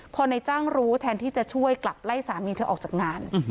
พอในจ้างรู้แทนที่จะช่วยกลับไล่สามีเธอออกจากงาน